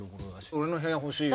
俺の部屋欲しいよ。